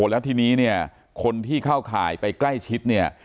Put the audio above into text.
แล้วทีนี้เนี่ยคนที่เข้าข่ายไปใกล้ชิดเนี่ย